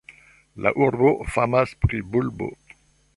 La urbo famas pri bulbo.